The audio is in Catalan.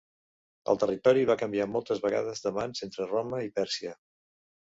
El territori va canviar moltes vegades de mans entre Roma i Pèrsia.